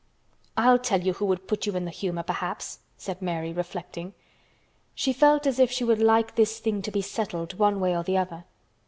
"I'll tell you who would put you in the humor, perhaps," said Mary reflecting. She felt as if she would like this thing to be settled one way or the other.